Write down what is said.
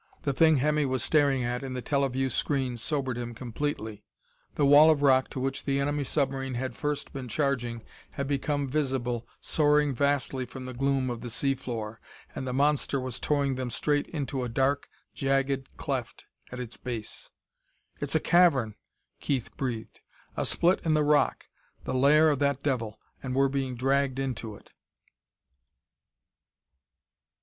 The thing Hemmy was staring at in the teleview screen sobered him completely. The wall of rock to which the enemy submarine had first been charging had become visible, soaring vastly from the gloom of the sea floor. And the monster was towing them straight into a dark, jagged cleft at its base. "It's a cavern!" Keith breathed. "A split in the rock the lair of that devil. And we're being dragged into it!"